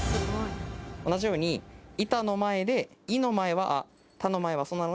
同じように「いた」の前で「い」の前は「あ」「た」の前は「そ」